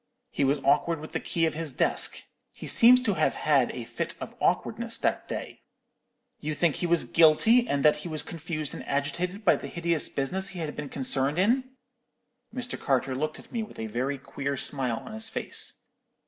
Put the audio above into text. He was awkward with the key of his desk. He seems to have had a fit of awkwardness that day.' "'You think that he was guilty, and that he was confused and agitated by the hideous business he had been concerned in?' "Mr. Carter looked at me with a very queer smile on his face.